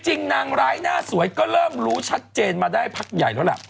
นางร้ายหน้าสวยก็เริ่มรู้ชัดเจนมาได้พักใหญ่แล้วล่ะ